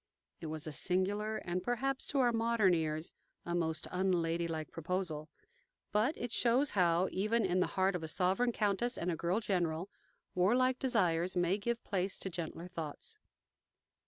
'" It was a singular, and perhaps, to our modern ears, a most unladylike proposal; but it shows how, even in the heart of a sovereign countess and a girl general, warlike desires may give place to gentler thoughts.